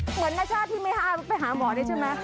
เหมือนนชาติที่ไม่ห้ามไปหาหมอนี่ใช่ไหม